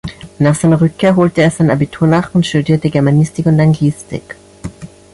Nach seiner Rückkehr holte er sein Abitur nach und studierte Germanistik und Anglistik.